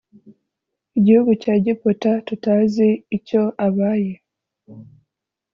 gihugu cya egiputa tutazi icyo abaye